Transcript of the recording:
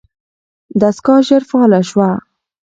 دستګاه ژر فعاله شوه.